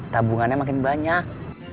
tabungannya makin banyak